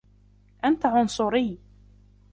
أنت عُنصري.